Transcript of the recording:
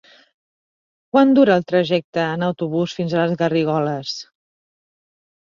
Quant dura el trajecte en autobús fins a Garrigoles?